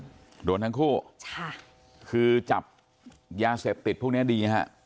อืมโดนทั้งคู่คือจับยาเสพติดพวกนี้ดีนะฮะ